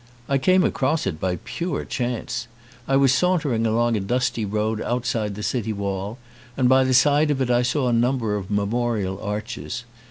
I came across it by pure chance. I was saun tering along a dusty road outside the city wall and by the side of it I saw a number of memorial arches.